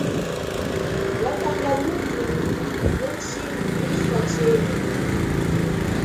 Ya tanga muthu mutshilifa chenyi.